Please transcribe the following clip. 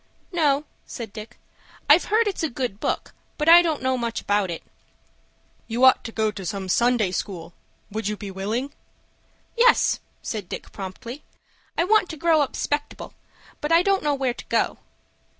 "No," said Dick. "I've heard it's a good book, but I don't know much about it." "You ought to go to some Sunday School. Would you be willing?" "Yes," said Dick, promptly. "I want to grow up 'spectable. But I don't know where to go."